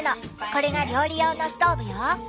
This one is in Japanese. これが料理用のストーブよ。